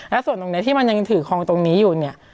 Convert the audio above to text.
และส่วนตรงนี้ที่มันยังถือคลองตรงนี้อยู่เนี่ย